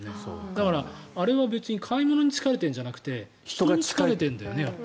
だからあれは別に買い物に疲れてるんじゃなくて人に疲れてるんだよね。